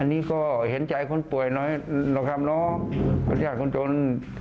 อันนี้ก็เห็นใจคนป่วยน้อยนะครับน้องประชาชนคนจน